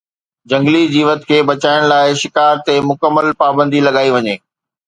جهنگلي جيوت کي بچائڻ لاءِ شڪار تي مڪمل پابندي لڳائي وڃي